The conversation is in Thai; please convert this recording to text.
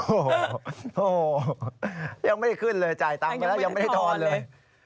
โอ้โหยังไม่ได้ขึ้นเลยจ่ายตังค์ไปแล้วยังไม่ได้ทอนเลย